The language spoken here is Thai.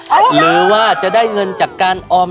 หรือว่าจะได้เงินจากการออม